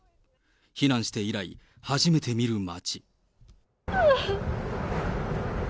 避難して以来、初めて見る街。